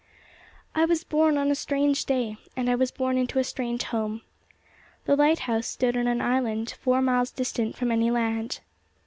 I was born on a strange day, and I was born into a strange home. The lighthouse stood on an island, four miles distant from any land.